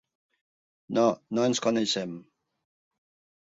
No, no ens coneixem.